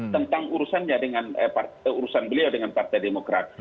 tentang urusannya dengan urusan beliau dengan partai demokrat